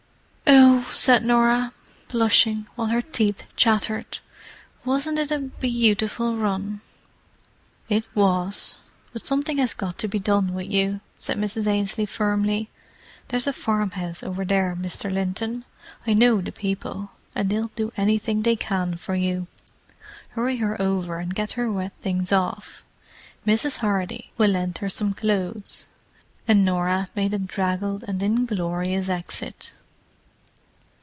"Oh!" said Norah, blushing, while her teeth chattered. "Wasn't it a beautiful run!" "It was—but something has got to be done with you," said Mrs. Ainslie firmly. "There's a farmhouse over there, Mr. Linton: I know the people, and they'll do anything they can for you. Hurry her over and get her wet things off—Mrs. Hardy will lend her some clothes." And Norah made a draggled and inglorious exit.